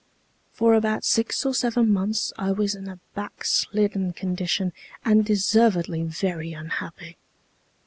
For about six or seven months I was in a backslidden condition, and deservedly very unhappy.